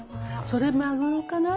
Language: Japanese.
それマグロかな？